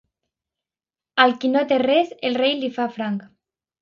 Al qui no té res, el rei li fa franc.